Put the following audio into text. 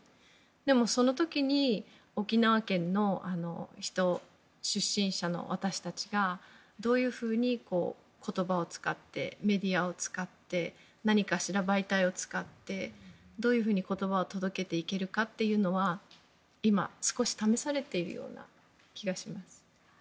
でも、その時に沖縄県の人出身者の私たちが、どういうふうに言葉を使ってメディアを使って何かしら媒体を使ってどういうふうに言葉を届けていけるかというのは今、少し試されているような気がします。